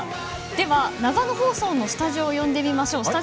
では、長野放送のスタジオを呼んでみましょう。